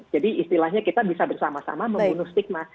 jadi istilahnya kita bisa bersama sama membunuh stigma